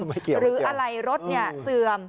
หรืออะไรรถเนี่ยเสื่อม